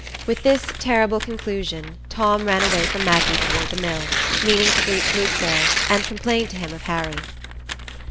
With this terrible conclusion, Tom ran away from Maggie toward the mill, meaning to greet Luke there, and complain to him of Harry.